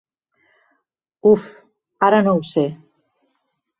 Uf, ara no ho sé.